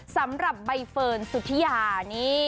สำหรับไบแฟนสุทิญานี่